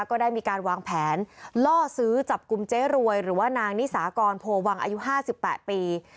ก็ได้มีการวางแผนล่อซื้อจับกลุ่มเจ๊รวยหรือว่านางนิสากรโพวังอายุ๕๘ปี